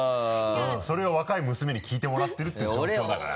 それを若い娘に聞いてもらってるていう状況だから。